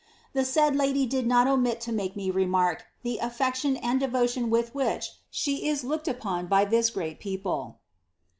The said lidv did not omit to make me remark the affeciion and devotion with vhich she is lfx>ked upon by tliii* great people.''